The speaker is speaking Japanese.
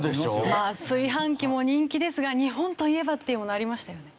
まあ炊飯器も人気ですが日本といえばっていうものありましたよね。